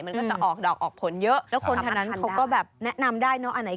มันก็จะออกดอกออกผลเยอะแล้วคนทั้งนั้นเขาก็แบบแนะนำได้เนอะอันไหน